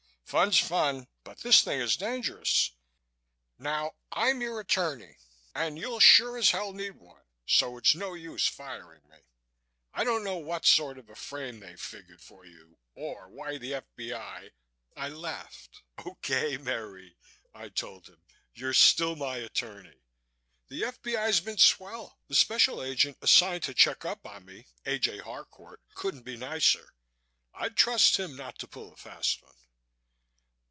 Fun's fun but this thing is dangerous. Now I'm your attorney and you'll sure as hell need one so it's no use firing me. I don't know what sort of a frame they've figured for you or why the F.B.I. " I laughed. "Okay, Merry," I told him, "you're still my attorney. The F.B.I.'s been swell. The Special Agent assigned to check up on me, A. J. Harcourt, couldn't be nicer. I'd trust him not to pull a fast one."